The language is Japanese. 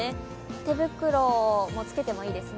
手袋をつけてもいいですね。